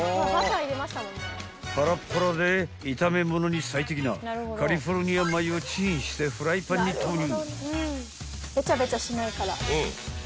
［パラッパラで炒め物に最適なカリフォルニア米をチンしてフライパンに投入］